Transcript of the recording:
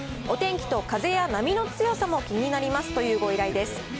お天気と風や波の強さも気になりますというご依頼です。